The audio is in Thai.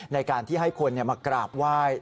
ในการที่ให้คนมากราบไหว้